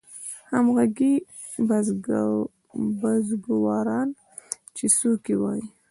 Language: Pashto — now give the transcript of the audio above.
همګي بزرګواران چې څوک یې وایي